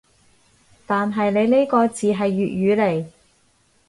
但係你呢個字係粵語嚟